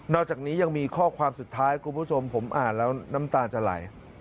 อกจากนี้ยังมีข้อความสุดท้ายคุณผู้ชมผมอ่านแล้วน้ำตาจะไหล